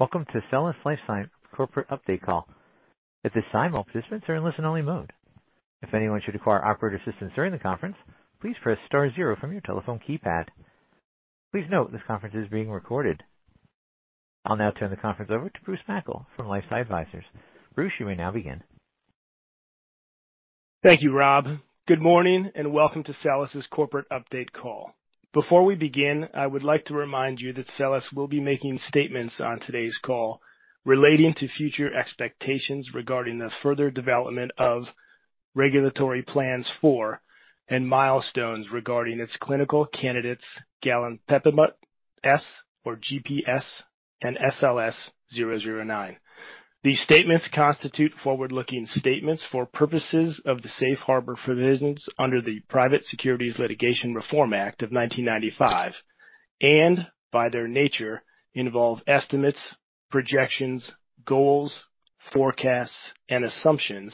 Welcome to SELLAS Life Sciences corporate update call. At this time, all participants are in listen-only mode. If anyone should require operator assistance during the conference, please press star zero from your telephone keypad. Please note, this conference is being recorded. I'll now turn the conference over to Bruce Mackle from LifeSci Advisors. Bruce, you may now begin. Thank you, Rob. Good morning, and welcome to SELLAS' corporate update call. Before we begin, I would like to remind you that SELLAS will be making statements on today's call relating to future expectations regarding the further development of regulatory plans for and milestones regarding its clinical candidates, Galinpepimut-S, or GPS, and SLS-009. These statements constitute forward-looking statements for purposes of the safe harbor provisions under the Private Securities Litigation Reform Act of 1995, and by their nature, involve estimates, projections, goals, forecasts, and assumptions,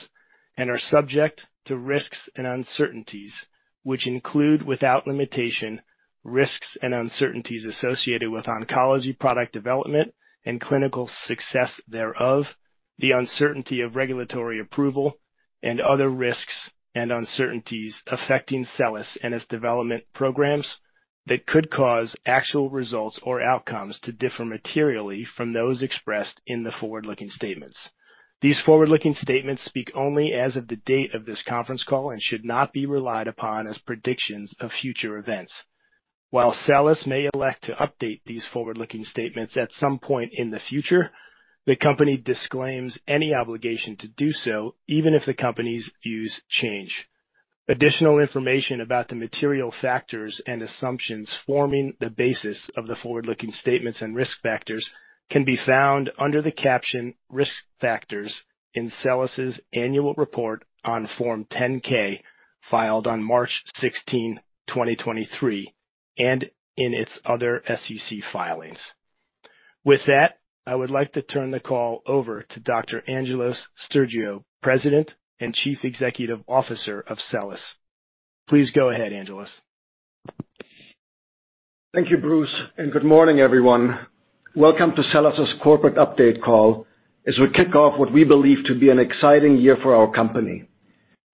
and are subject to risks and uncertainties, which include, without limitation, risks and uncertainties associated with oncology, product development and clinical success thereof, the uncertainty of regulatory approval, and other risks and uncertainties affecting SELLAS and its development programs that could cause actual results or outcomes to differ materially from those expressed in the forward-looking statements. These forward-looking statements speak only as of the date of this conference call and should not be relied upon as predictions of future events. While SELLAS may elect to update these forward-looking statements at some point in the future, the company disclaims any obligation to do so, even if the company's views change. Additional information about the material factors and assumptions forming the basis of the forward-looking statements and risk factors can be found under the caption Risk Factors in SELLAS' Annual Report on Form 10-K, filed on March 16, 2023, and in its other SEC filings. With that, I would like to turn the call over to Dr. Angelos Stergiou, President and Chief Executive Officer of SELLAS. Please go ahead, Angelos. Thank you, Bruce, and good morning, everyone. Welcome to SELLAS' corporate update call as we kick off what we believe to be an exciting year for our company.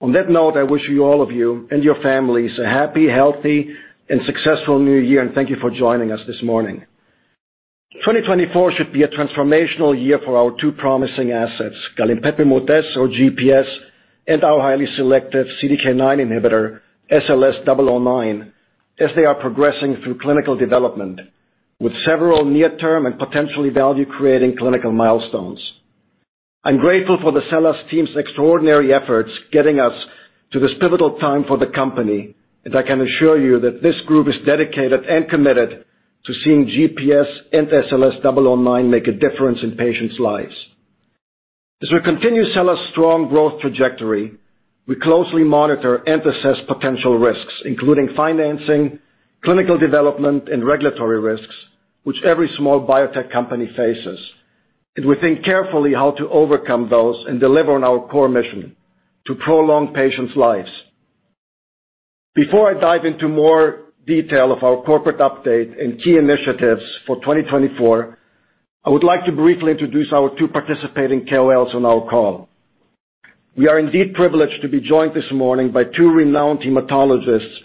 On that note, I wish you, all of you and your families a happy, healthy, and successful new year, and thank you for joining us this morning. 2024 should be a transformational year for our two promising assets, Galinpepimut-S, or GPS, and our highly selective CDK9 inhibitor, SLS-009, as they are progressing through clinical development with several near-term and potentially value-creating clinical milestones. I'm grateful for the SELLAS team's extraordinary efforts getting us to this pivotal time for the company, and I can assure you that this group is dedicated and committed to seeing GPS and SLS-009 make a difference in patients' lives. As we continue SELLAS's strong growth trajectory, we closely monitor and assess potential risks, including financing, clinical development, and regulatory risks, which every small biotech company faces, and we think carefully how to overcome those and deliver on our core mission: to prolong patients' lives. Before I dive into more detail of our corporate update and key initiatives for 2024, I would like to briefly introduce our two participating KOLs on our call. We are indeed privileged to be joined this morning by two renowned hematologists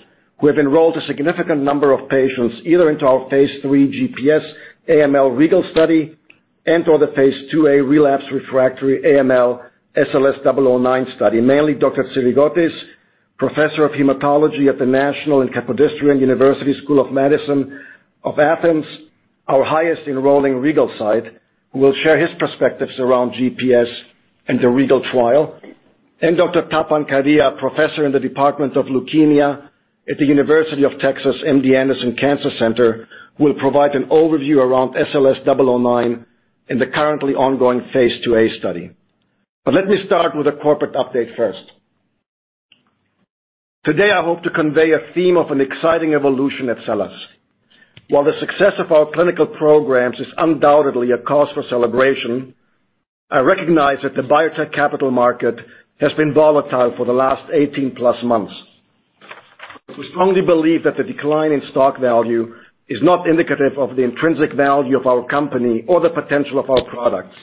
who have enrolled a significant number of patients, either into our phase III GPS AML REGAL study and/or the phase IIa relapse/refractory AML SLS-009 study. Mainly, Dr. Tsirigotis, Professor of Hematology at the National and Kapodistrian University School of Medicine of Athens, our highest enrolling REGAL site, who will share his perspectives around GPS and the REGAL trial. And Dr. Tapan Kadia, Professor in the Department of Leukemia at The University of Texas MD Anderson Cancer Center, will provide an overview around SLS-009 in the currently ongoing phase IIa study. Let me start with a corporate update first. Today, I hope to convey a theme of an exciting evolution at SELLAS. While the success of our clinical programs is undoubtedly a cause for celebration, I recognize that the biotech capital market has been volatile for the last 18+ months. We strongly believe that the decline in stock value is not indicative of the intrinsic value of our company or the potential of our products.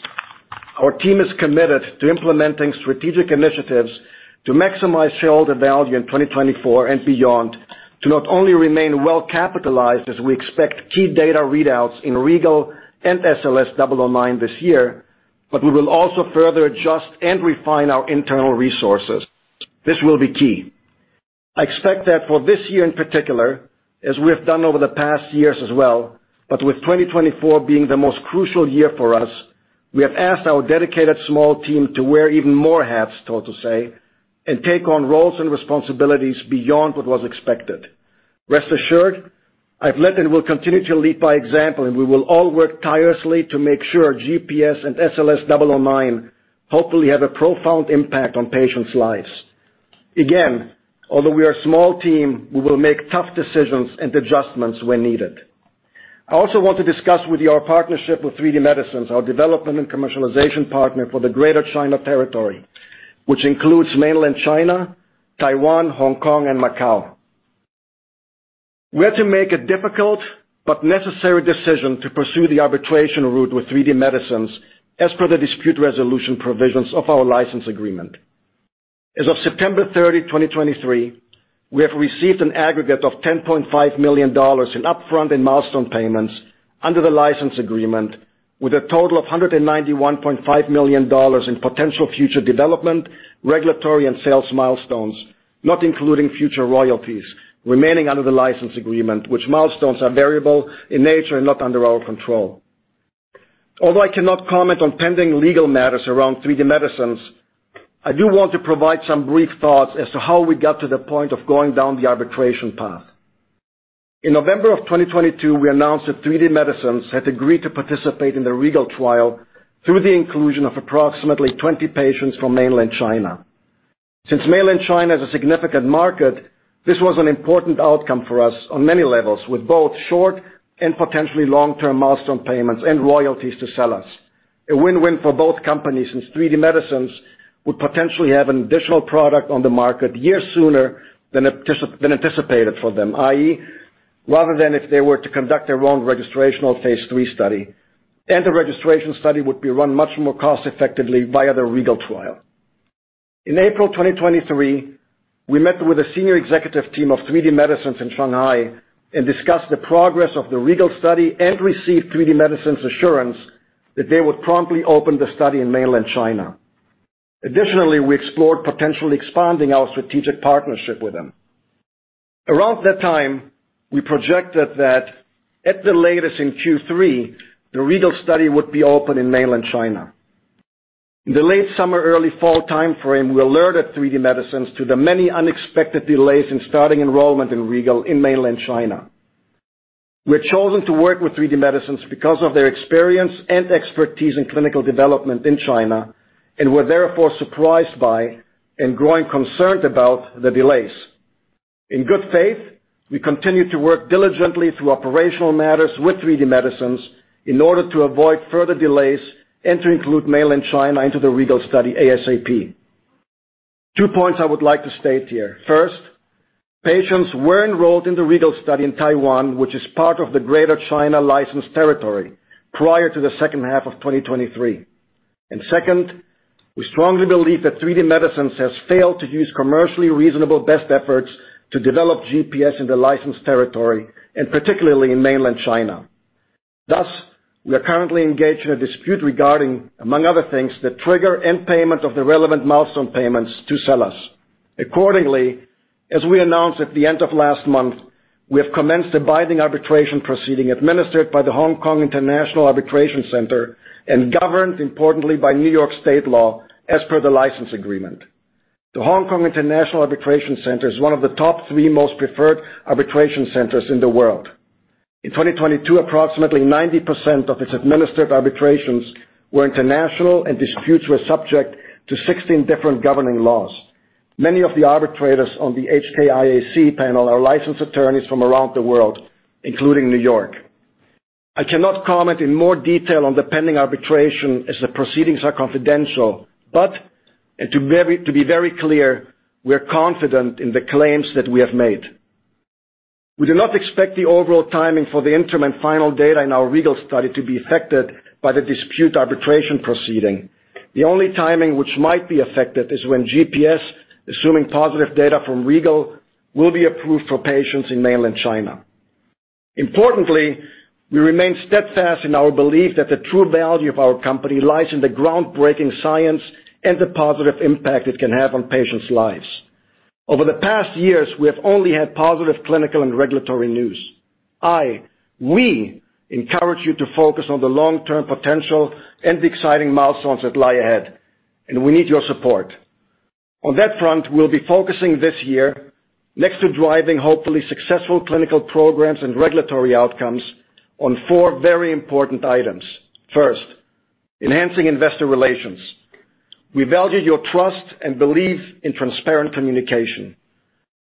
Our team is committed to implementing strategic initiatives to maximize shareholder value in 2024 and beyond, to not only remain well-capitalized as we expect key data readouts in REGAL and SLS-009 this year, but we will also further adjust and refine our internal resources. This will be key. I expect that for this year in particular, as we have done over the past years as well, but with 2024 being the most crucial year for us, we have asked our dedicated small team to wear even more hats, so to say, and take on roles and responsibilities beyond what was expected. Rest assured, I've led and will continue to lead by example, and we will all work tirelessly to make sure GPS and SLS-009 hopefully have a profound impact on patients' lives. Again, although we are a small team, we will make tough decisions and adjustments when needed. I also want to discuss with you our partnership with 3D Medicines, our development and commercialization partner for the Greater China territory, which includes mainland China, Taiwan, Hong Kong, and Macau. We had to make a difficult but necessary decision to pursue the arbitration route with 3D Medicines as per the dispute resolution provisions of our license agreement. As of September 30, 2023, we have received an aggregate of $10.5 million in upfront and milestone payments under the license agreement, with a total of $191.5 million in potential future development, regulatory and sales milestones, not including future royalties remaining under the license agreement, which milestones are variable in nature and not under our control. Although I cannot comment on pending legal matters around 3D Medicines, I do want to provide some brief thoughts as to how we got to the point of going down the arbitration path. In November of 2022, we announced that 3D Medicines had agreed to participate in the REGAL trial through the inclusion of approximately 20 patients from mainland China. Since mainland China is a significant market, this was an important outcome for us on many levels, with both short and potentially long-term milestone payments and royalties to sell us. A win-win for both companies, since 3D Medicines would potentially have an additional product on the market years sooner than anticipated for them, i.e., rather than if they were to conduct their own registrational Phase 3 study, and the registration study would be run much more cost-effectively via the REGAL trial. In April of 2023, we met with a senior executive team of 3D Medicines in Shanghai and discussed the progress of the REGAL study and received 3D Medicines' assurance that they would promptly open the study in mainland China. Additionally, we explored potentially expanding our strategic partnership with them. Around that time, we projected that at the latest in Q3, the REGAL study would be open in mainland China. In the late summer, early fall time frame, we alerted 3D Medicines to the many unexpected delays in starting enrollment in REGAL in mainland China. We had chosen to work with 3D Medicines because of their experience and expertise in clinical development in China, and were therefore surprised by and growing concerned about the delays. In good faith, we continued to work diligently through operational matters with 3D Medicines in order to avoid further delays and to include mainland China into the REGAL study ASAP. Two points I would like to state here. First, patients were enrolled in the REGAL study in Taiwan, which is part of the Greater China licensed territory, prior to the second half of 2023. And second, we strongly believe that 3D Medicines has failed to use commercially reasonable best efforts to develop GPS in the licensed territory, and particularly in mainland China. Thus, we are currently engaged in a dispute regarding, among other things, the trigger and payment of the relevant milestone payments to SELLAS. Accordingly, as we announced at the end of last month, we have commenced a binding arbitration proceeding administered by the Hong Kong International Arbitration Centre and governed importantly by New York state law as per the license agreement. The Hong Kong International Arbitration Centre is one of the top three most preferred arbitration centers in the world. In 2022, approximately 90% of its administered arbitrations were international, and disputes were subject to 16 different governing laws. Many of the arbitrators on the HKIAC panel are licensed attorneys from around the world, including New York. I cannot comment in more detail on the pending arbitration as the proceedings are confidential, but to be very clear, we are confident in the claims that we have made. We do not expect the overall timing for the interim and final data in our REGAL study to be affected by the dispute arbitration proceeding. The only timing which might be affected is when GPS, assuming positive data from REGAL, will be approved for patients in mainland China. Importantly, we remain steadfast in our belief that the true value of our company lies in the groundbreaking science and the positive impact it can have on patients' lives. Over the past years, we have only had positive clinical and regulatory news. I, we encourage you to focus on the long-term potential and the exciting milestones that lie ahead, and we need your support. On that front, we'll be focusing this year next to driving hopefully successful clinical programs and regulatory outcomes on four very important items. First, enhancing investor relations. We value your trust and belief in transparent communication.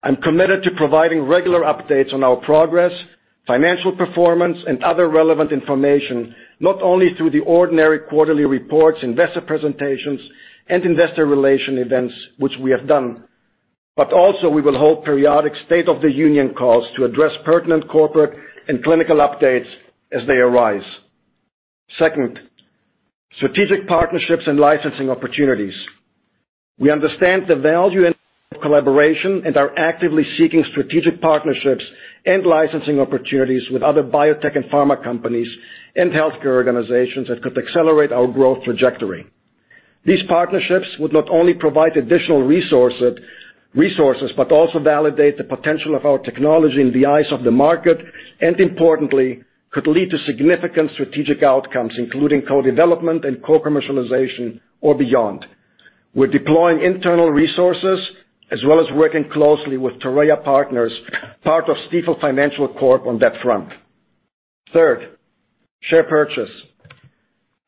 I'm committed to providing regular updates on our progress, financial performance, and other relevant information, not only through the ordinary quarterly reports, investor presentations, and investor relation events, which we have done, but also we will hold periodic state of the union calls to address pertinent corporate and clinical updates as they arise. Second, strategic partnerships and licensing opportunities. We understand the value and collaboration and are actively seeking strategic partnerships and licensing opportunities with other biotech and pharma companies and healthcare organizations that could accelerate our growth trajectory. These partnerships would not only provide additional resources, but also validate the potential of our technology in the eyes of the market, and importantly, could lead to significant strategic outcomes, including co-development and co-commercialization or beyond. We're deploying internal resources as well as working closely with Torreya Partners, part of Stifel Financial Corp, on that front. Third, share purchase.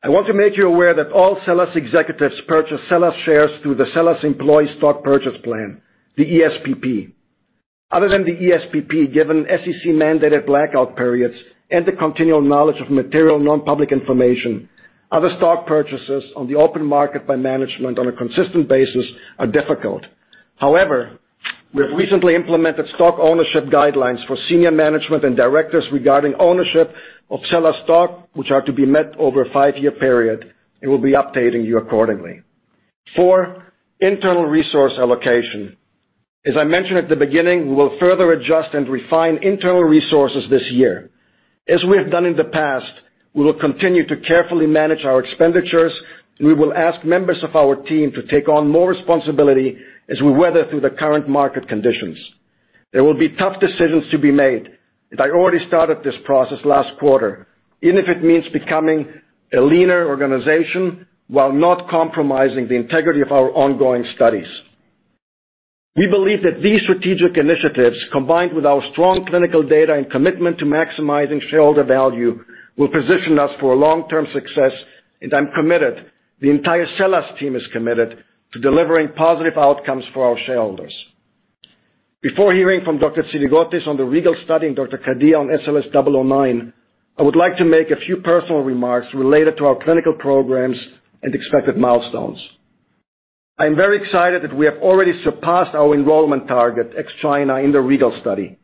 I want to make you aware that all SELLAS executives purchase SELLAS shares through the SELLAS Employee Stock Purchase Plan, the ESPP. Other than the ESPP, given SEC-mandated blackout periods and the continual knowledge of material non-public information, other stock purchases on the open market by management on a consistent basis are difficult. However, we have recently implemented stock ownership guidelines for senior management and directors regarding ownership of SELLAS stock, which are to be met over a five-year period, and we'll be updating you accordingly. Four, internal resource allocation. As I mentioned at the beginning, we will further adjust and refine internal resources this year. As we have done in the past, we will continue to carefully manage our expenditures, and we will ask members of our team to take on more responsibility as we weather through the current market conditions. There will be tough decisions to be made, and I already started this process last quarter, even if it means becoming a leaner organization while not compromising the integrity of our ongoing studies. We believe that these strategic initiatives, combined with our strong clinical data and commitment to maximizing shareholder value, will position us for long-term success, and I'm committed, the entire SELLAS team is committed to delivering positive outcomes for our shareholders. Before hearing from Dr. Tsirigotis on the REGAL study and Dr. Kadia on SLS-009, I would like to make a few personal remarks related to our clinical programs and expected milestones. I'm very excited that we have already surpassed our enrollment target, ex-China, in the REGAL study.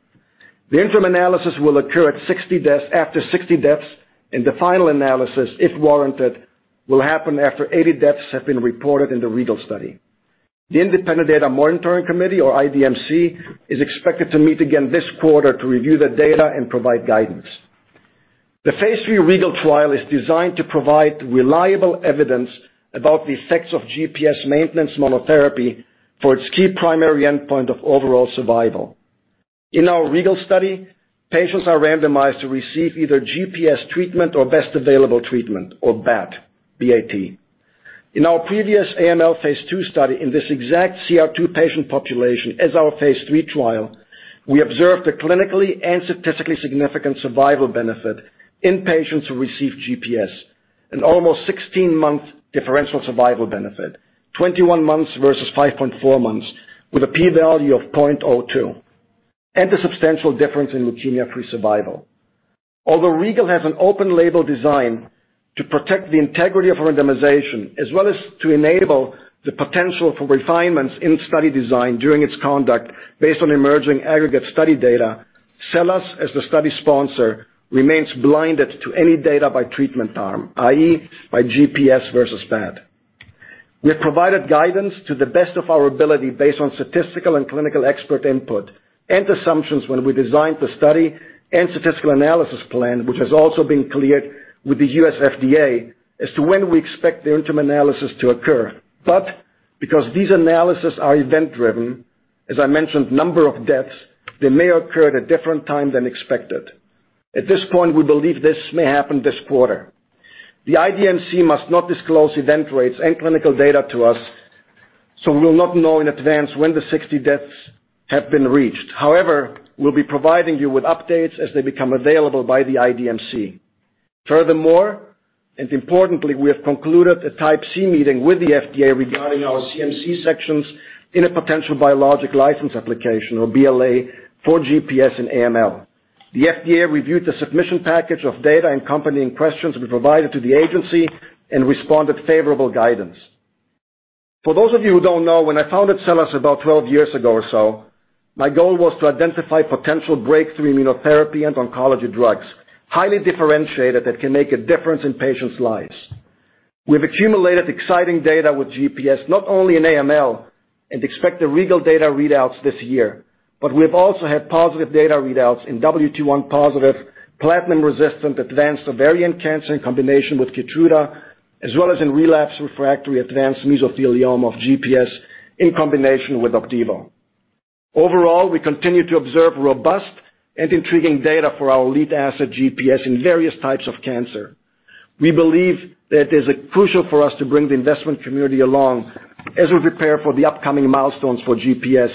The interim analysis will occur at 60 deaths, after 60 deaths, and the final analysis, if warranted, will happen after 80 deaths have been reported in the REGAL study. The Independent Data Monitoring Committee, or IDMC, is expected to meet again this quarter to review the data and provide guidance. The phase 3 REGAL trial is designed to provide reliable evidence about the effects of GPS maintenance monotherapy for its key primary endpoint of overall survival. In our REGAL study, patients are randomized to receive either GPS treatment or best available treatment, or BAT, B-A-T. In our previous AML phase 2 study, in this exact CR2 patient population as our phase 3 trial, we observed a clinically and statistically significant survival benefit in patients who received GPS, an almost 16-month differential survival benefit, 21 months versus 5.4 months, with a p-value of 0.02, and a substantial difference in leukemia-free survival. Although REGAL has an open label design to protect the integrity of randomization, as well as to enable the potential for refinements in study design during its conduct based on emerging aggregate study data, SELLAS, as the study sponsor, remains blinded to any data by treatment arm, i.e., by GPS versus BAT. We have provided guidance to the best of our ability based on statistical and clinical expert input and assumptions when we designed the study and statistical analysis plan, which has also been cleared with the U.S. FDA, as to when we expect the interim analysis to occur. But because these analyses are event-driven, as I mentioned, number of deaths, they may occur at a different time than expected. At this point, we believe this may happen this quarter. The IDMC must not disclose event rates and clinical data to us, so we will not know in advance when the 60 deaths have been reached. However, we'll be providing you with updates as they become available by the IDMC. Furthermore, and importantly, we have concluded a Type C meeting with the FDA regarding our CMC sections in a potential biologic license application or BLA for GPS in AML. The FDA reviewed the submission package of data and company questions we provided to the agency and responded favorable guidance. For those of you who don't know, when I founded SELLAS about 12 years ago or so, my goal was to identify potential breakthrough immunotherapy and oncology drugs, highly differentiated, that can make a difference in patients' lives. We've accumulated exciting data with GPS, not only in AML, and expect the REGAL data readouts this year, but we've also had positive data readouts in WT1-positive platinum-resistant advanced ovarian cancer in combination with Keytruda, as well as in relapse refractory advanced mesothelioma of GPS in combination with Opdivo. Overall, we continue to observe robust and intriguing data for our lead asset, GPS, in various types of cancer. We believe that it is crucial for us to bring the investment community along as we prepare for the upcoming milestones for GPS,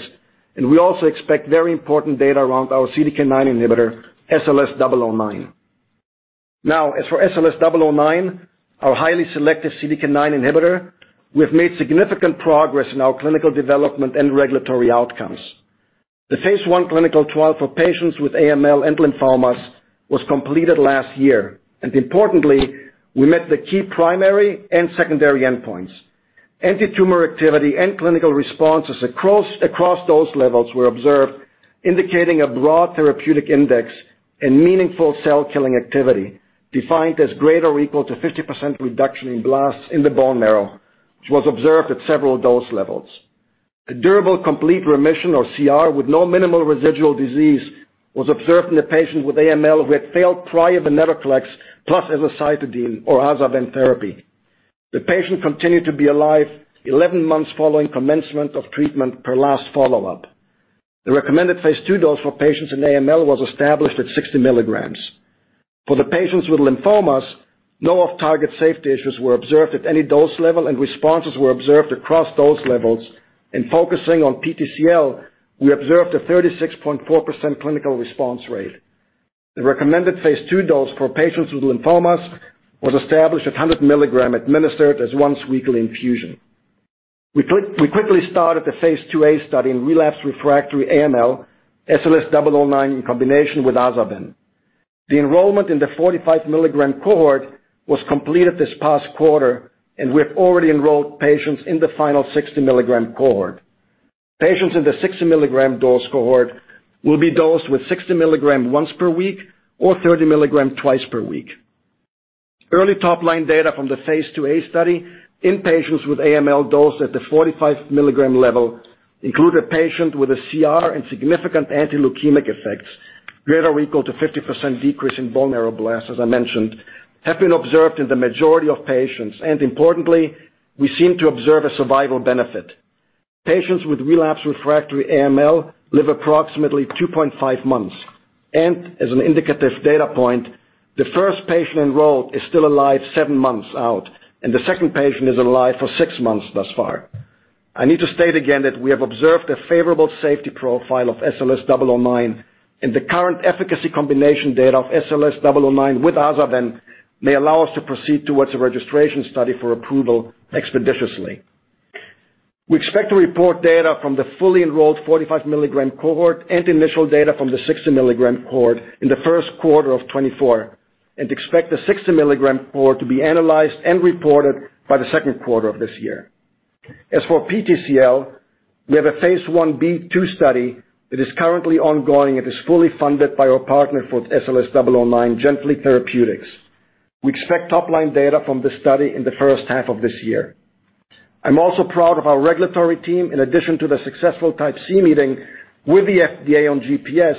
and we also expect very important data around our CDK9 inhibitor, SLS-009. Now, as for SLS-009, our highly selective CDK9 inhibitor, we have made significant progress in our clinical development and regulatory outcomes. The phase 1 clinical trial for patients with AML and lymphomas was completed last year, and importantly, we met the key primary and secondary endpoints. Antitumor activity and clinical responses across dose levels were observed, indicating a broad therapeutic index and meaningful cell-killing activity, defined as greater or equal to 50% reduction in blasts in the bone marrow, which was observed at several dose levels. A durable, complete remission, or CR, with no minimal residual disease, was observed in a patient with AML who had failed prior venetoclax plus azacitidine or Aza-Ven therapy. The patient continued to be alive 11 months following commencement of treatment per last follow-up. The recommended phase two dose for patients in AML was established at 60 milligrams. For the patients with lymphomas, no off-target safety issues were observed at any dose level, and responses were observed across dose levels. In focusing on PTCL, we observed a 36.4% clinical response rate. The recommended phase two dose for patients with lymphomas was established at 100 milligrams, administered as once-weekly infusion. We quickly started the phase IIa study in relapsed refractory AML, SLS-009 in combination with Aza-Ven. The enrollment in the 45 milligram cohort was completed this past quarter, and we have already enrolled patients in the final 60 milligram cohort. Patients in the 60 milligram dose cohort will be dosed with 60 milligram once per week or 30 milligram twice per week. Early top-line data from the phase IIa study in patients with AML dosed at the 45 milligram level include a patient with a CR and significant anti-leukemic effects, greater or equal to 50% decrease in bone marrow blasts, as I mentioned, have been observed in the majority of patients, and importantly, we seem to observe a survival benefit. Patients with relapsed refractory AML live approximately 2.5 months, and as an indicative data point, the first patient enrolled is still alive seven months out, and the second patient is alive for six months thus far. I need to state again that we have observed a favorable safety profile of SLS-009, and the current efficacy combination data of SLS-009 with Aza-Ven may allow us to proceed towards a registration study for approval expeditiously. We expect to report data from the fully enrolled 45-milligram cohort and initial data from the 60-milligram cohort in the first quarter of 2024, and expect the 60-milligram cohort to be analyzed and reported by the second quarter of this year. As for PTCL, we have a phase 1b/2 study that is currently ongoing. It is fully funded by our partner for SLS-009, GenFleet Therapeutics. We expect top-line data from this study in the first half of this year. I'm also proud of our regulatory team, in addition to the successful Type C Meeting with the FDA on GPS,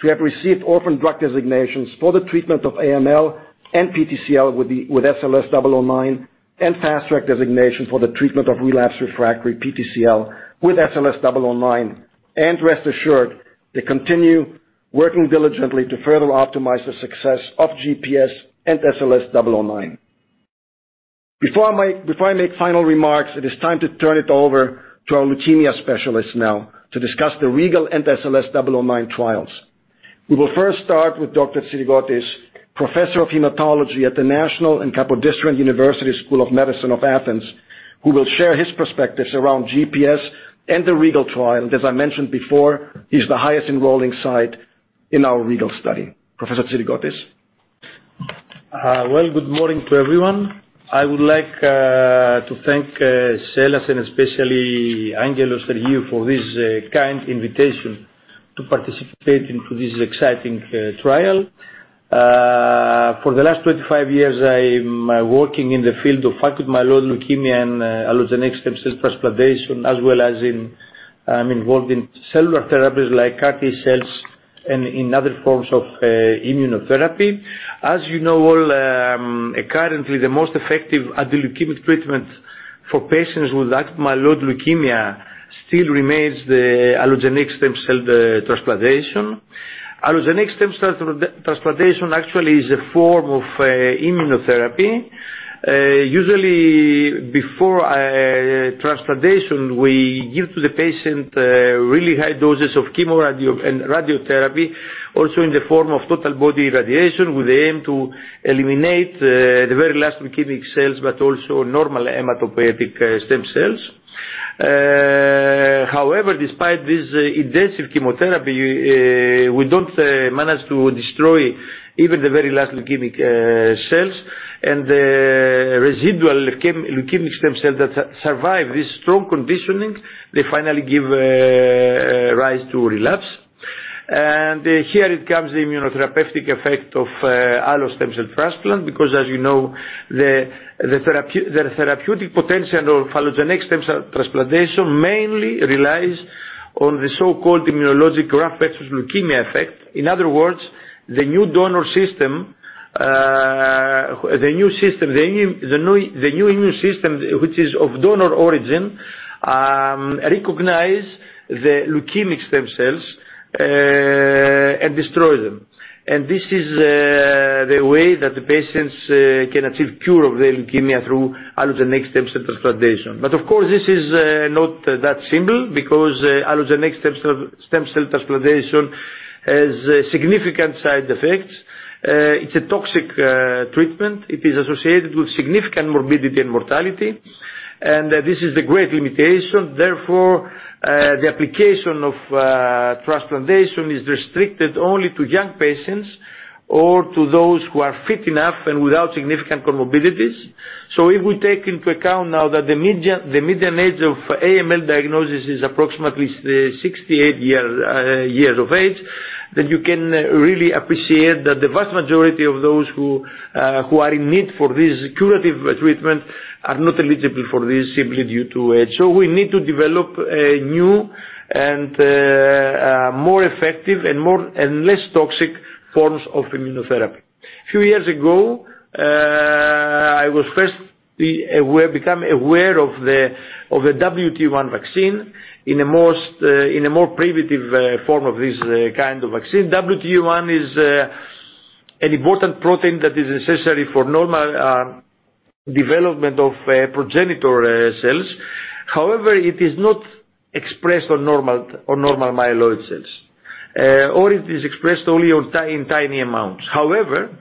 to have received orphan drug designations for the treatment of AML and PTCL with SLS-009, and Fast Track Designation for the treatment of relapsed refractory PTCL with SLS-009. Rest assured, they continue working diligently to further optimize the success of GPS and SLS-009. Before I make final remarks, it is time to turn it over to our leukemia specialist now to discuss the REGAL and SLS-009 trials. We will first start with Dr. Tsirigotis, Professor of Hematology at the National and Kapodistrian University School of Medicine of Athens, who will share his perspectives around GPS and the REGAL trial. As I mentioned before, he's the highest enrolling site in our REGAL study. Professor Tsirigotis? Well, good morning to everyone. I would like to thank SELLAS, especially Angelos here, for this kind invitation to participate into this exciting trial. For the last 25 years, I'm working in the field of acute myeloid leukemia and allogeneic stem cell transplantation, as well as in, I'm involved in cellular therapies like CAR-T cells and in other forms of immunotherapy. As you know, well, currently, the most effective anti-leukemic treatment for patients with acute myeloid leukemia still remains the allogeneic stem cell transplantation. Allogeneic stem cell transplantation actually is a form of immunotherapy. Usually, before transplantation, we give to the patient really high doses of chemo, radio, and radiotherapy, also in the form of total body irradiation, with the aim to eliminate the very last leukemic cells, but also normal hematopoietic stem cells. However, despite this intensive chemotherapy, we don't manage to destroy even the very last leukemic cells, and the residual leukemic stem cells that survive this strong conditioning, they finally give rise to relapse. Here it comes, the immunotherapeutic effect of allo stem cell transplant, because, as you know, the therapeutic potential of allogeneic stem cell transplantation mainly relies on the so-called immunologic graft-versus-leukemia effect. In other words, the new donor system, the new immune system, which is of donor origin, recognize the leukemic stem cells and destroy them. This is the way that the patients can achieve cure of their leukemia through allogeneic stem cell transplantation. But of course, this is not that simple, because allogeneic stem cell transplantation has significant side effects. It's a toxic treatment. It is associated with significant morbidity and mortality, and this is a great limitation. Therefore, the application of transplantation is restricted only to young patients or to those who are fit enough and without significant comorbidities. So if we take into account now that the median age of AML diagnosis is approximately 68 years of age, then you can really appreciate that the vast majority of those who are in need for this curative treatment are not eligible for this simply due to age. So we need to develop a new and more effective and less toxic forms of immunotherapy. A few years ago, I was first become aware of the, of the WT1 vaccine in a most, in a more primitive, form of this, kind of vaccine. WT1 is an important protein that is necessary for normal, development of, progenitor, cells. However, it is not expressed on normal, on normal myeloid cells, or it is expressed only in tiny amounts. However,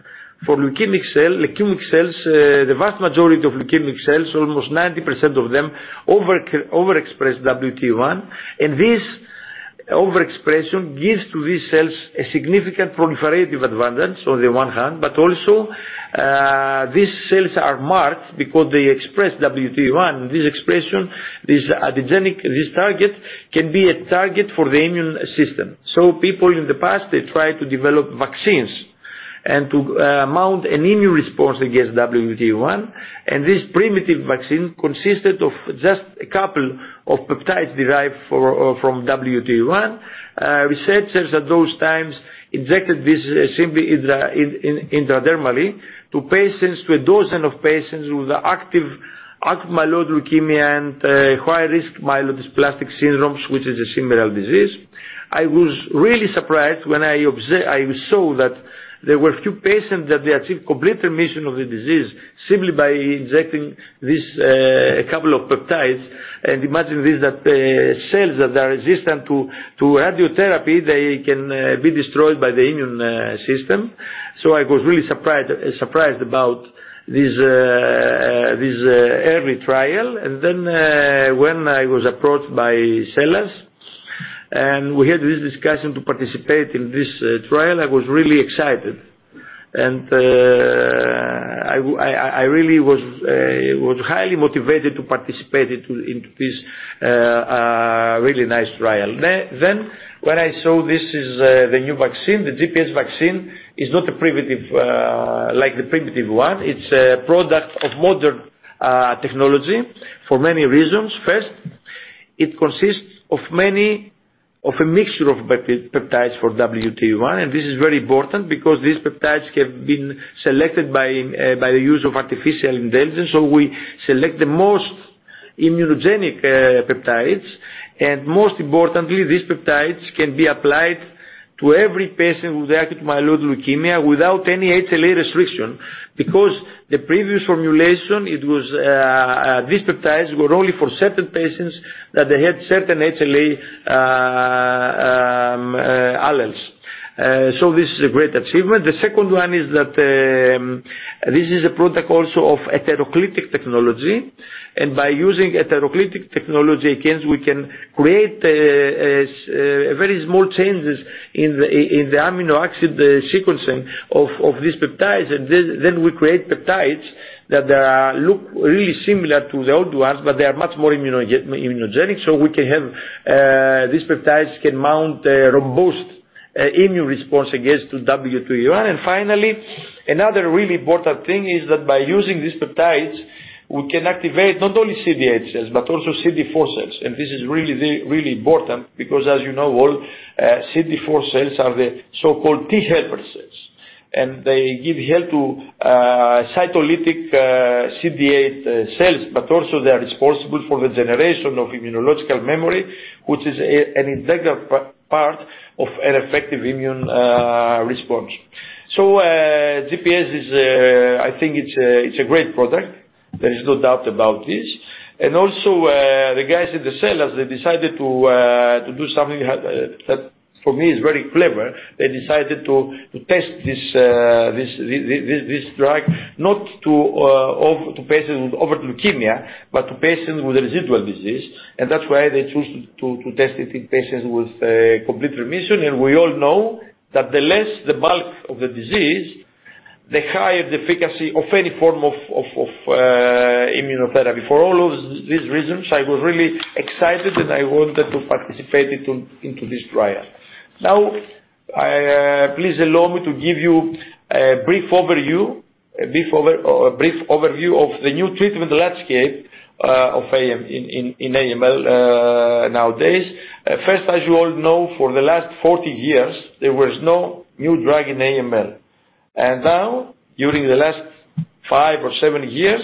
for leukemic cell, leukemic cells, the vast majority of leukemic cells, almost 90% of them, overexpress WT1, and this overexpression gives to these cells a significant proliferative advantage on the one hand, but also, these cells are marked because they express WT1. This expression, this antigenic, this target, can be a target for the immune system. So people in the past, they tried to develop vaccines and to mount an immune response against WT1, and this primitive vaccine consisted of just a couple of peptides derived from WT1. Researchers at those times injected this simply intradermally to patients, to a dozen of patients with active acute myeloid leukemia and high-risk myelodysplastic syndromes, which is a similar disease. I was really surprised when I saw that there were a few patients that they achieved complete remission of the disease simply by injecting this couple of peptides. And imagine this, that the cells that are resistant to radiotherapy, they can be destroyed by the immune system. So I was really surprised, surprised about this early trial. And then, when I was approached by SELLAS, and we had this discussion to participate in this trial, I was really excited. And, I really was highly motivated to participate into this really nice trial. Then, when I saw this is the new vaccine, the GPS vaccine, is not a primitive, like the primitive one. It's a product of modern technology for many reasons. First, it consists of a mixture of peptides for WT1, and this is very important because these peptides have been selected by in, by the use of artificial intelligence, so we select the most immunogenic peptides. Most importantly, these peptides can be applied to every patient with acute myeloid leukemia without any HLA restriction, because the previous formulation, it was, these peptides were only for certain patients, that they had certain HLA alleles. So this is a great achievement. The second one is that, this is a product also of a heteroclitic technology, and by using a heteroclitic technology, again, we can create a, a, a very small changes in the, in the amino acid sequencing of these peptides. And then, then we create peptides that, look really similar to the old ones, but they are much more immunogenic. So we can have, these peptides can mount a robust immune response against the WT1. And finally, another really important thing is that by using these peptides, we can activate not only CD8 cells, but also CD4 cells. And this is really, really important because, as you know, all CD4 cells are the so-called T helper cells, and they give help to cytolytic CD8 cells, but also they are responsible for the generation of immunological memory, which is an integral part of an effective immune response. So, GPS is. I think it's a great product. There is no doubt about this. And also, the guys at SELLAS, they decided to do something that for me is very clever. They decided to test this drug not to offer to patients with overt leukemia, but to patients with a residual disease, and that's why they chose to test it in patients with complete remission. And we all know that the less the bulk of the disease, the higher the efficacy of any form of immunotherapy. For all of these reasons, I was really excited, and I wanted to participate into this trial. Now, please allow me to give you a brief overview of the new treatment landscape of AML nowadays. First, as you all know, for the last 40 years, there was no new drug in AML. And now, during the last 5 or 7 years,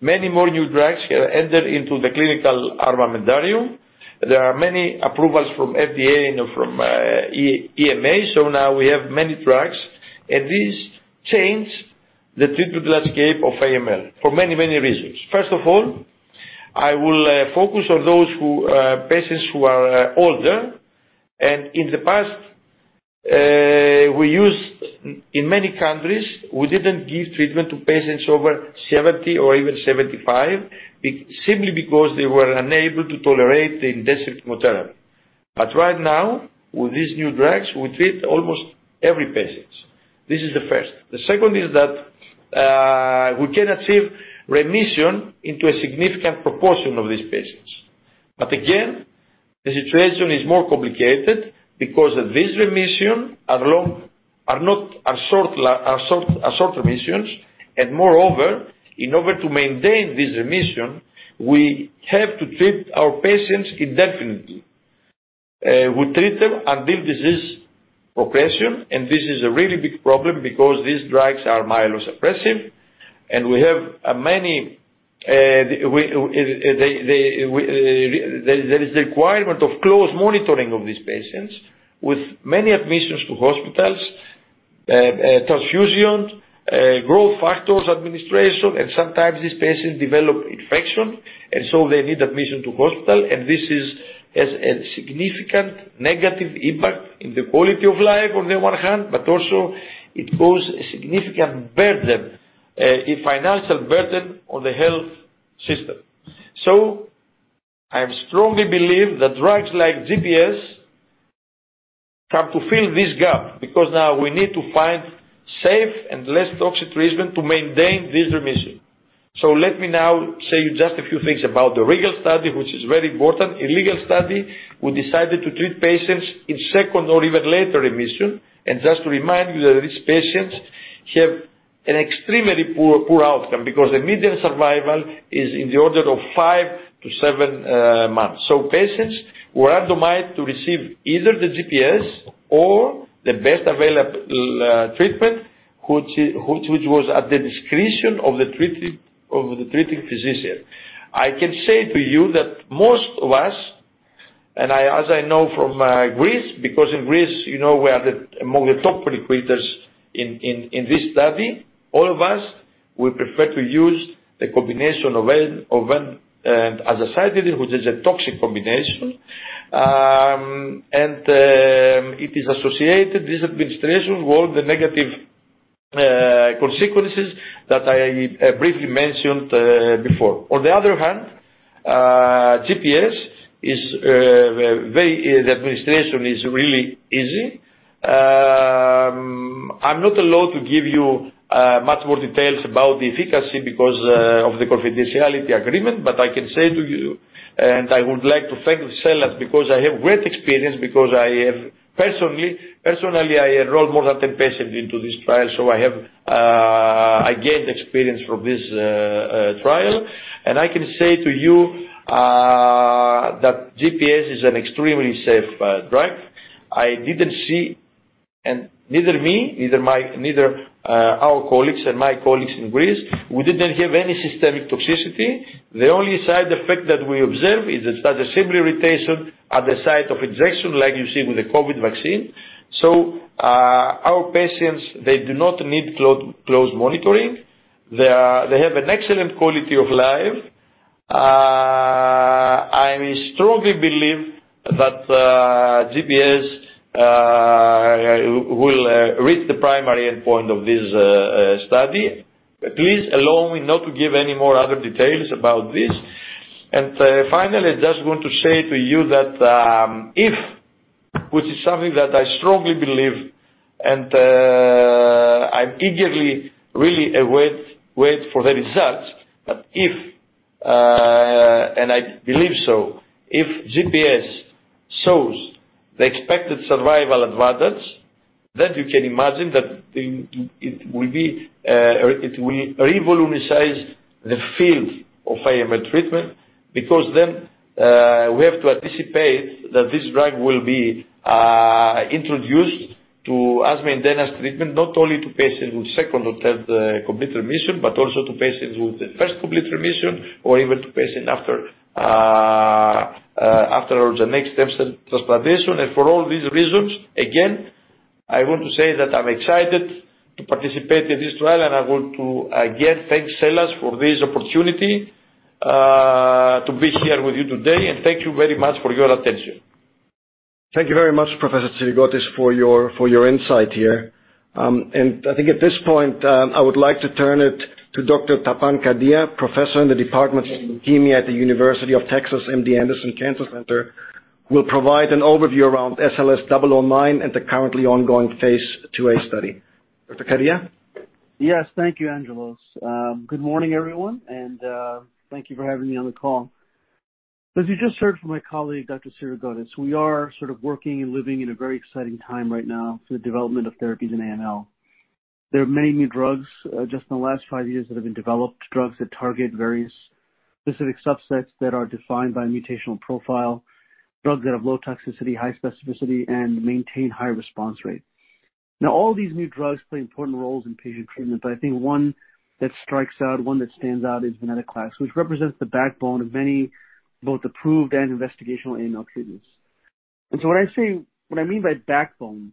many more new drugs have entered into the clinical armamentarium. There are many approvals from FDA and from EMA, so now we have many drugs, and this changed the treatment landscape of AML for many, many reasons. First of all, I will focus on those patients who are older. And in the past, we used, in many countries, we didn't give treatment to patients over 70 or even 75, simply because they were unable to tolerate the intensive chemotherapy. But right now, with these new drugs, we treat almost every patient. This is the first. The second is that we can achieve remission in a significant proportion of these patients. But again, the situation is more complicated because these remissions are not long. They are short remissions. Moreover, in order to maintain this remission, we have to treat our patients indefinitely. We treat them until disease progression, and this is a really big problem because these drugs are myelosuppressive, and we have many, there is the requirement of close monitoring of these patients with many admissions to hospitals. Transfusion, growth factors administration, and sometimes these patients develop infection, and so they need admission to hospital. And this has a significant negative impact in the quality of life on the one hand, but also it goes a significant burden, a financial burden on the health system. So I strongly believe that drugs like GPS come to fill this gap, because now we need to find safe and less toxic treatment to maintain this remission. So let me now say just a few things about the REGAL study, which is very important. In REGAL study, we decided to treat patients in second or even later remission. And just to remind you that these patients have an extremely poor, poor outcome, because the median survival is in the order of 5-7 months. So patients were randomized to receive either the GPS or the best available treatment, which was at the discretion of the treating physician. I can say to you that most of us, and as I know from Greece, because in Greece, you know, we are among the top recruiters in this study. All of us, we prefer to use the combination of Ven, of Ven, Azacitidine, which is a toxic combination. It is associated, this administration, with all the negative consequences that I briefly mentioned before. On the other hand, GPS is very; the administration is really easy. I'm not allowed to give you much more details about the efficacy because of the confidentiality agreement, but I can say to you, and I would like to thank the SELLAS, because I have great experience, because I have personally enrolled more than 10 patients into this trial, so I have gained experience from this trial. I can say to you that GPS is an extremely safe drug. I didn't see, and neither I nor my colleagues in Greece, we didn't have any systemic toxicity. The only side effect that we observe is that the simple irritation at the site of injection, like you see with the COVID vaccine. So, our patients, they do not need close monitoring. They have an excellent quality of life. I strongly believe that GPS will reach the primary endpoint of this study. Please allow me not to give any more other details about this. And, finally, I just want to say to you that, if, which is something that I strongly believe, and I eagerly really wait for the results. But if, and I believe so, if GPS shows the expected survival advantage, then you can imagine that it, it will be, it will revolutionize the field of AML treatment, because then, we have to anticipate that this drug will be, introduced to as maintenance treatment, not only to patients with second or third, complete remission, but also to patients with the first complete remission, or even to patient after, after allogeneic stem cell transplantation. And for all these reasons, again, I want to say that I'm excited to participate in this trial, and I want to again thank SELLAS for this opportunity, to be here with you today. And thank you very much for your attention. Thank you very much, Professor Tsirigotis, for your insight here. I think at this point, I would like to turn it to Dr. Tapan Kadia, Professor in the Department of Leukemia at The University of Texas MD Anderson Cancer Center, will provide an overview around SLS-009 and the currently ongoing phase IIa study. Dr. Kadia? Yes. Thank you, Angelos. Good morning, everyone, and thank you for having me on the call. As you just heard from my colleague, Dr. Tsirigotis, we are sort of working and living in a very exciting time right now for the development of therapies in AML. There are many new drugs, just in the last five years, that have been developed, drugs that target various specific subsets that are defined by mutational profile. Drugs that have low toxicity, high specificity, and maintain high response rate. Now, all these new drugs play important roles in patient treatment, but I think one that strikes out, one that stands out is venetoclax, which represents the backbone of many, both approved and investigational AML treatments. And so when I say... What I mean by backbone,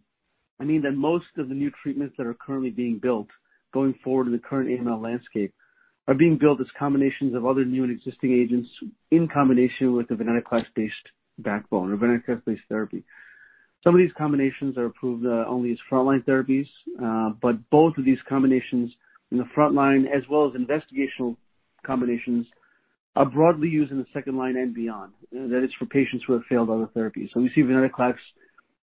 I mean that most of the new treatments that are currently being built, going forward in the current AML landscape, are being built as combinations of other new and existing agents in combination with a venetoclax-based backbone or venetoclax-based therapy. Some of these combinations are approved only as frontline therapies, but both of these combinations in the frontline, as well as investigational combinations, are broadly used in the second line and beyond. That is for patients who have failed other therapies. So we see venetoclax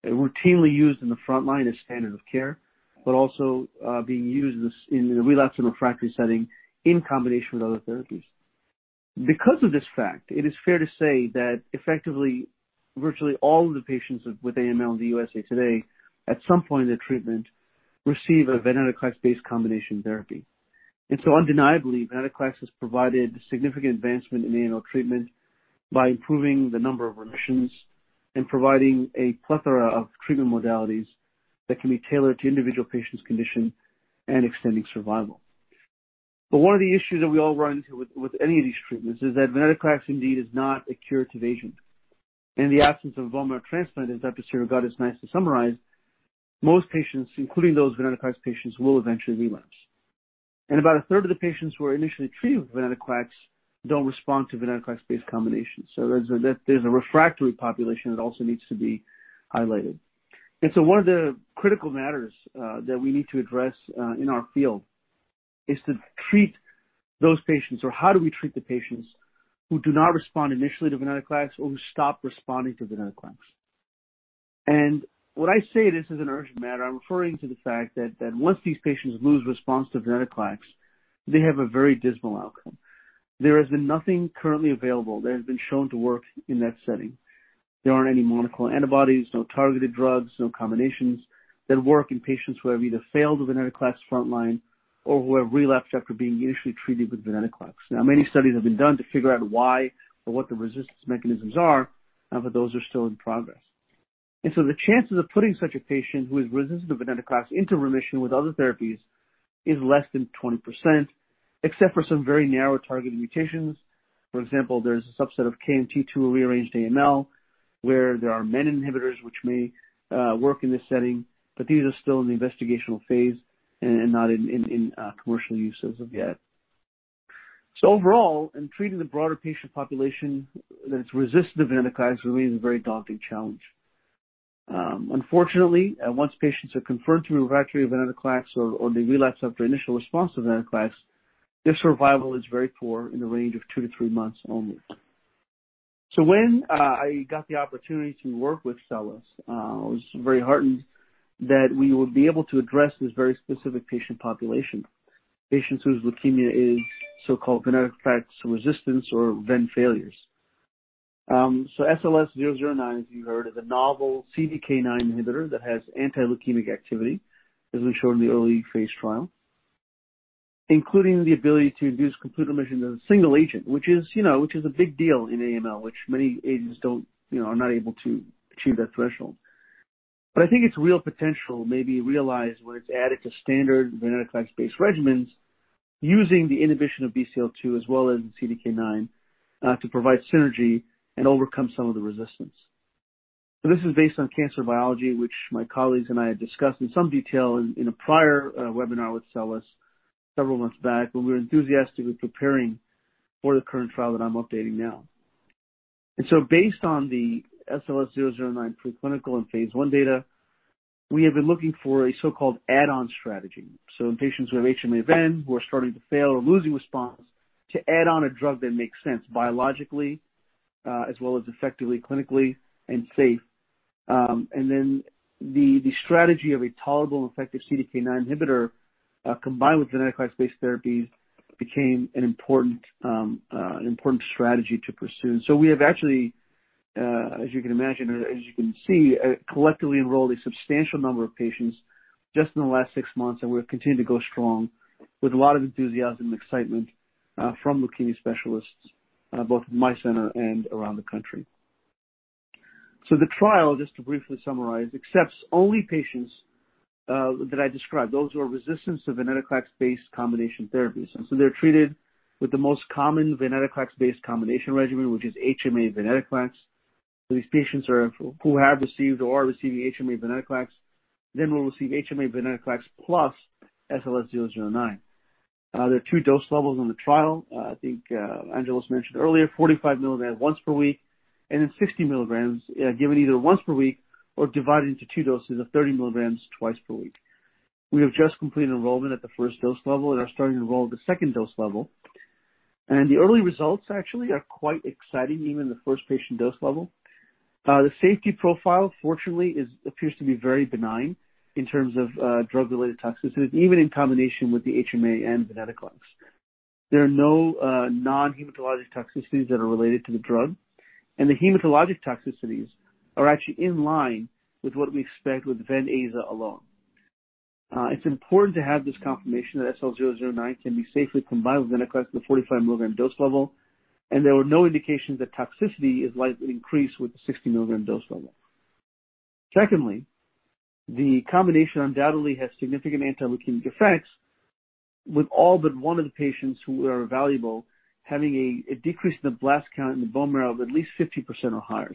routinely used in the frontline as standard of care, but also, being used in the relapsed and refractory setting in combination with other therapies. Because of this fact, it is fair to say that effectively, virtually all of the patients with AML in the USA today, at some point in their treatment, receive a venetoclax-based combination therapy. And so undeniably, venetoclax has provided significant advancement in AML treatment by improving the number of remissions and providing a plethora of treatment modalities that can be tailored to individual patients' condition and extending survival. But one of the issues that we all run into with any of these treatments is that venetoclax indeed is not a curative agent. In the absence of a bone marrow transplant, as Dr. Tsirigotis has nicely summarized, most patients, including those venetoclax patients, will eventually relapse. And about a third of the patients who are initially treated with venetoclax don't respond to venetoclax-based combinations. So there's a refractory population that also needs to be highlighted. One of the critical matters, that we need to address, in our field is to treat those patients, or how do we treat the patients who do not respond initially to venetoclax, or who stop responding to venetoclax? When I say this is an urgent matter, I'm referring to the fact that, that once these patients lose response to venetoclax, they have a very dismal outcome. There has been nothing currently available that has been shown to work in that setting. There aren't any monoclonal antibodies, no targeted drugs, no combinations, that work in patients who have either failed the venetoclax frontline or who have relapsed after being initially treated with venetoclax. Now, many studies have been done to figure out why or what the resistance mechanisms are, but those are still in progress. The chances of putting such a patient who is resistant to venetoclax into remission with other therapies is less than 20%, except for some very narrow targeted mutations. For example, there's a subset of KMT2 rearranged AML, where there are many inhibitors which may work in this setting, but these are still in the investigational phase and not in commercial use as of yet. Overall, in treating the broader patient population that's resistant to venetoclax remains a very daunting challenge. Unfortunately, once patients are confirmed to be refractory venetoclax or they relapse after initial response to venetoclax, their survival is very poor in the range of 2-3 months only. So when I got the opportunity to work with SELLAS, I was very heartened that we would be able to address this very specific patient population, patients whose leukemia is so-called venetoclax resistance or Ven failures. So SLS-009, as you heard, is a novel CDK9 inhibitor that has anti-leukemic activity, as we showed in the early phase trial, including the ability to induce complete remission as a single agent, which is, you know, which is a big deal in AML, which many agents don't, you know, are not able to achieve that threshold. But I think its real potential may be realized when it's added to standard venetoclax-based regimens, using the inhibition of BCL-2 as well as CDK9, to provide synergy and overcome some of the resistance. So this is based on cancer biology, which my colleagues and I have discussed in some detail in a prior webinar with SELLAS several months back, when we were enthusiastically preparing for the current trial that I'm updating now. Based on the SLS-009 preclinical and phase I data, we have been looking for a so-called add-on strategy. In patients who have HMA ven, who are starting to fail or losing response, to add on a drug that makes sense biologically, as well as effectively, clinically, and safe. Then the strategy of a tolerable and effective CDK9 inhibitor, combined with venetoclax-based therapies, became an important strategy to pursue. So we have actually, as you can imagine, or as you can see, collectively enrolled a substantial number of patients just in the last six months, and we're continuing to go strong with a lot of enthusiasm and excitement, from leukemia specialists, both at my center and around the country. So the trial, just to briefly summarize, accepts only patients, that I described, those who are resistant to venetoclax-based combination therapies. And so they're treated with the most common venetoclax-based combination regimen, which is HMA venetoclax. So these patients are, who have received or are receiving HMA venetoclax, then will receive HMA venetoclax plus SLS-009. There are two dose levels in the trial. I think, Angelos mentioned earlier, 45 mg once per week, and then 60 mg, given either once per week or divided into two doses of 30 mg twice per week. We have just completed enrollment at the first dose level and are starting to enroll at the second dose level. The early results actually are quite exciting, even the first patient dose level. The safety profile, fortunately, is, appears to be very benign in terms of, drug-related toxicity, even in combination with the HMA and venetoclax. There are no, non-hematologic toxicities that are related to the drug, and the hematologic toxicities are actually in line with what we expect with Ven/Aza alone. It's important to have this confirmation that SLS-009 can be safely combined with venetoclax at the 45-milligram dose level, and there were no indications that toxicity is likely to increase with the 60-milligram dose level. Secondly, the combination undoubtedly has significant anti-leukemic effects, with all but one of the patients who are evaluable having a decrease in the blast count in the bone marrow of at least 50% or higher.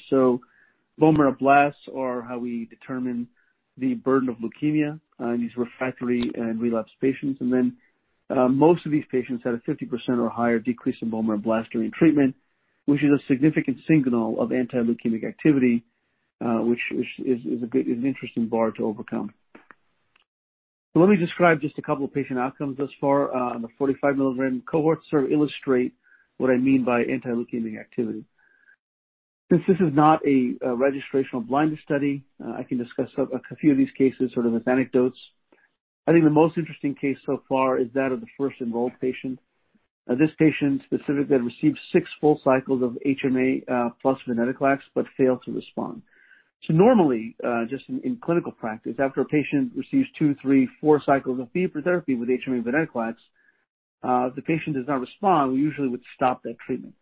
So bone marrow blasts are how we determine the burden of leukemia in these refractory and relapsed patients. And then, most of these patients had a 50% or higher decrease in bone marrow blasts during treatment, which is a significant signal of anti-leukemic activity, which is a good, an interesting bar to overcome. So let me describe just a couple of patient outcomes thus far on the 45 milligram cohort to sort of illustrate what I mean by anti-leukemic activity. Since this is not a registrational blind study, I can discuss a few of these cases sort of as anecdotes. I think the most interesting case so far is that of the first enrolled patient. This patient specifically had received 6 full cycles of HMA plus venetoclax, but failed to respond. So normally just in clinical practice, after a patient receives 2, 3, 4 cycles of therapy with HMA venetoclax, if the patient does not respond, we usually would stop that treatment.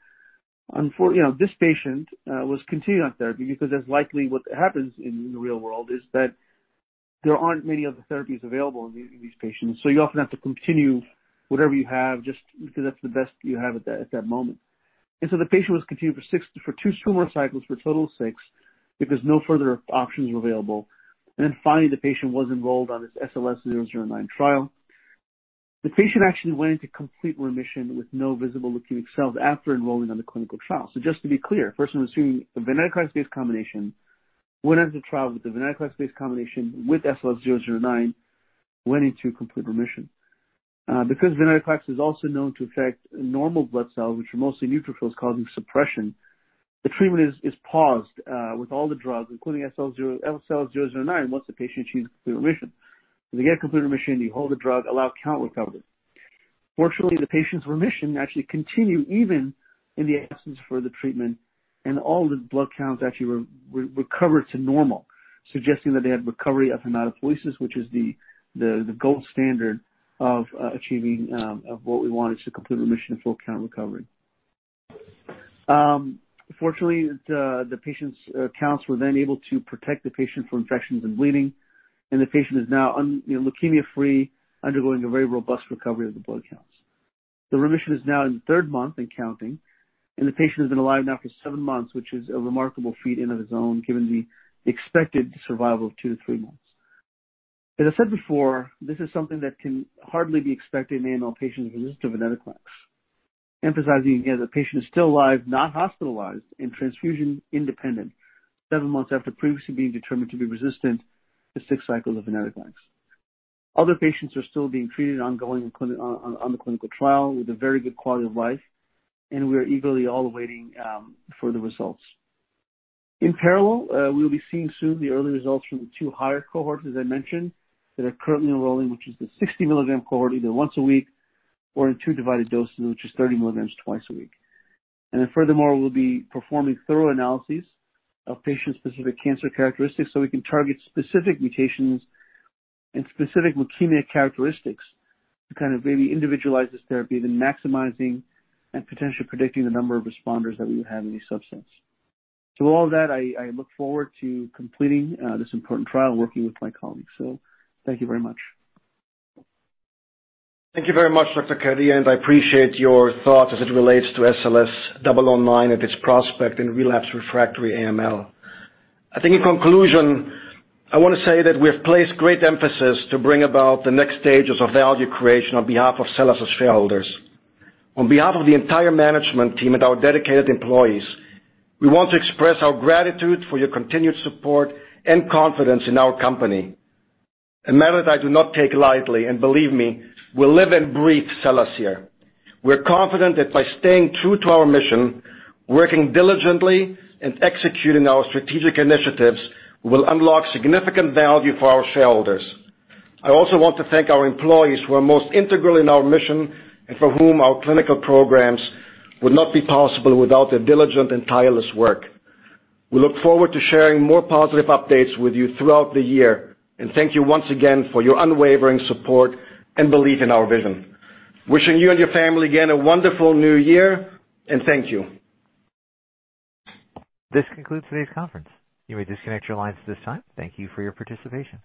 You know, this patient was continuing on therapy because that's likely what happens in the real world, is that-... There aren't many other therapies available in these patients, so you often have to continue whatever you have just because that's the best you have at that moment. So the patient was continued for 2 tumor cycles for a total of 6, because no further options were available. Then finally, the patient was enrolled on this SLS-009 trial. The patient actually went into complete remission with no visible leukemia cells after enrolling on the clinical trial. So just to be clear, first, he was receiving a venetoclax-based combination, went into the trial with the venetoclax-based combination with SLS-009, went into complete remission. Because venetoclax is also known to affect normal blood cells, which are mostly neutrophils causing suppression, the treatment is paused with all the drugs, including SLS-009, once the patient achieves complete remission. When you get complete remission, you hold the drug, allow count recovery. Fortunately, the patient's remission actually continued even in the absence of the treatment, and all the blood counts actually recovered to normal, suggesting that they had recovery of hematopoiesis, which is the gold standard of achieving what we want, is a complete remission and full count recovery. Fortunately, the patient's counts were then able to protect the patient from infections and bleeding, and the patient is now, you know, leukemia-free, undergoing a very robust recovery of the blood counts. The remission is now in the third month and counting, and the patient has been alive now for seven months, which is a remarkable feat in and of itself, given the expected survival of two to three months. As I said before, this is something that can hardly be expected in AML patients resistant to venetoclax. Emphasizing again, the patient is still alive, not hospitalized and transfusion independent seven months after previously being determined to be resistant to six cycles of venetoclax. Other patients are still being treated ongoing in clinic, on the clinical trial, with a very good quality of life, and we are eagerly all waiting for the results. In parallel, we'll be seeing soon the early results from the two higher cohorts, as I mentioned, that are currently enrolling, which is the 60 milligram cohort, either once a week or in two divided doses, which is 30 milligrams twice a week. And then furthermore, we'll be performing thorough analyses of patient-specific cancer characteristics, so we can target specific mutations and specific leukemia characteristics to kind of really individualize this therapy, then maximizing and potentially predicting the number of responders that we would have in these subsets. To all that, I, I look forward to completing this important trial, working with my colleagues. So thank you very much. Thank you very much, Dr. Kadia. I appreciate your thoughts as it relates to SLS-009 and its prospect in relapsed refractory AML. I think in conclusion, I want to say that we have placed great emphasis to bring about the next stages of value creation on behalf of SELLAS's shareholders. On behalf of the entire management team and our dedicated employees, we want to express our gratitude for your continued support and confidence in our company, a matter that I do not take lightly, and believe me, we live and breathe SELLAS here. We're confident that by staying true to our mission, working diligently, and executing our strategic initiatives, we will unlock significant value for our shareholders. I also want to thank our employees, who are most integral in our mission, and for whom our clinical programs would not be possible without their diligent and tireless work. We look forward to sharing more positive updates with you throughout the year, and thank you once again for your unwavering support and belief in our vision. Wishing you and your family again, a wonderful new year, and thank you. This concludes today's conference. You may disconnect your lines at this time. Thank you for your participation.